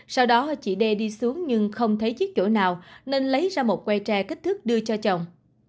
sau đó chị đê đi xuống nhưng không thấy chiếc chổi nào nên lấy ra một que tre kích thước đưa cho chồng